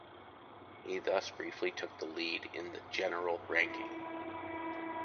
He thus briefly took the lead in the general ranking.